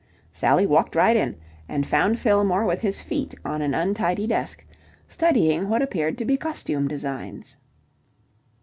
Sally walked right in, and found Fillmore with his feet on an untidy desk, studying what appeared to be costume designs.